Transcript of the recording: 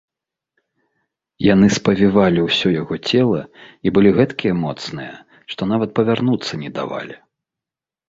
Яны спавівалі ўсё яго цела і былі гэткія моцныя, што нават павярнуцца не давалі.